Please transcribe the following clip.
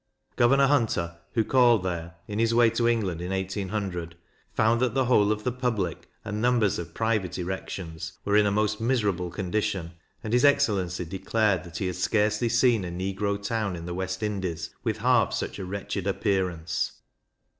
Governor Hunter, who called there in his way to England in 1800, found that the whole of the public, and numbers of private erections, were in a most miserable condition; and his excellency declared that he had scarcely seen a negro town in the West Indies with half such a wretched appearance.